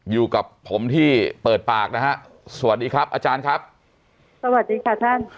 อยู่กับผมที่เปิดปากนะฮะสวัสดีครับอาจารย์ครับสวัสดีค่ะท่าน